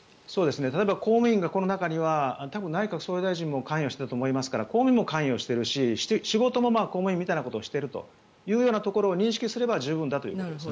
例えば公務員がこの中には多分、内閣総理大臣も関与していると思いますから公務員も関与しているし仕事も公務員みたいなことをしているということを認識すれば十分だということです。